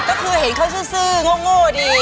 ก็คือเห็นเขาซื้อโง่ดี